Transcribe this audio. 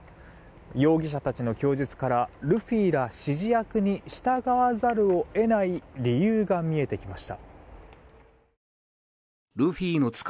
容疑者たちの供述からルフィら指示役に従わざるを得ない理由が見えてきました。